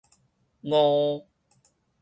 臥